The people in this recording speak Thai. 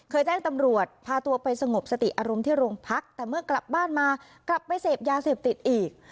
แจ้งตำรวจพาตัวไปสงบสติอารมณ์ที่โรงพักแต่เมื่อกลับบ้านมากลับไปเสพยาเสพติดอีก